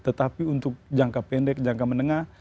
tetapi untuk jangka pendek jangka menengah